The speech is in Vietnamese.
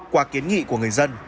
qua kiến nghị của người dân